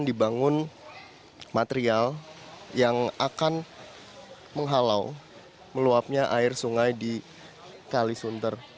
dibangun material yang akan menghalau meluapnya air sungai di kalisunter